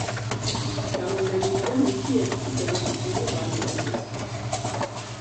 გამოვლენილია მისი ექვსი გენეტიკური ვარიანტი.